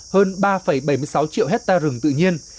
hơn ba bảy mươi sáu triệu hectare rừng tự nhiên